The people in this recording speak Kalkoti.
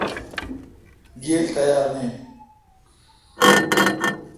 گیل تیار نین۔